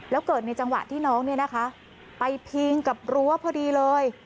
แล้วเกิดในจังหวะที่น้องเนี่ยนะคะไปพิงกับรั้วพอดีเลย